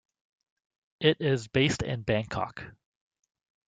It is based in Bangkok.